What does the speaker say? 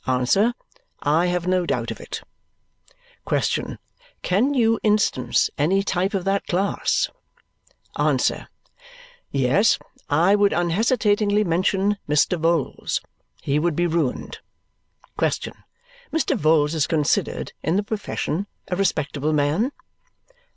Answer: I have no doubt of it. Question: Can you instance any type of that class? Answer: Yes. I would unhesitatingly mention Mr. Vholes. He would be ruined. Question: Mr. Vholes is considered, in the profession, a respectable man?